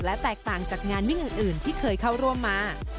และแตกต่างจากงานวิ่งอื่นที่เคยเข้าร่วมมา